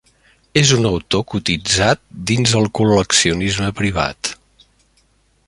És un autor cotitzat dins el col·leccionisme privat.